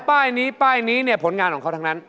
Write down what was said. ป้ายนี้ป้ายนี้เนี่ยผลงานของเขาทั้งนั้น